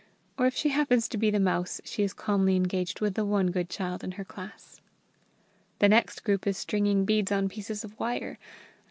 Or if she happens to be the Mouse, she is calmly engaged with the one good child in her class. The next group is stringing beads on pieces of wire.